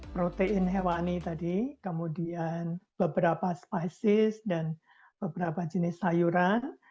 protein hewani tadi kemudian beberapa spisis dan beberapa jenis sayuran